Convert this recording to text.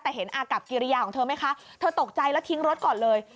แต่เห็นอากับกิริยาของเธอไหมคะเธอตกใจแล้วทิ้งรถก่อนเลย